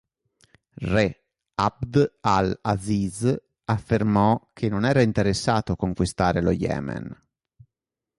Re Abd al-Aziz affermò che non era interessato a conquistare lo Yemen.